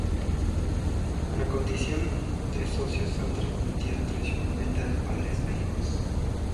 La condición de socios se ha ido transmitiendo tradicionalmente de padres a hijos.